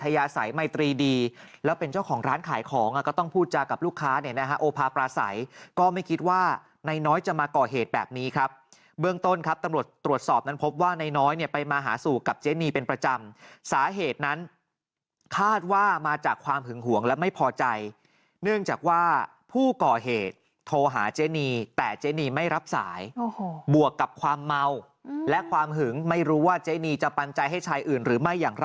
ยาสัยไม่ตรีดีแล้วเป็นเจ้าของร้านขายของอ่ะก็ต้องพูดจากกับลูกค้าเนี่ยนะฮะโอพาปราสัยก็ไม่คิดว่านายน้อยจะมาก่อเหตุแบบนี้ครับเบื้องต้นครับตำรวจตรวจสอบนั้นพบว่านายน้อยเนี่ยไปมาหาสู่กับเจนีเป็นประจำสาเหตุนั้นคาดว่ามาจากความหึงหวงและไม่พอใจเนื่องจากว่าผู้ก่อเหตุโทรหาเ